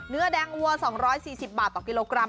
เนื้อแดงวัว๒๔๐บาทต่อกิโลกรัม